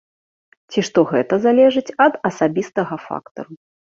Ці што гэта залежыць ад асабістага фактару.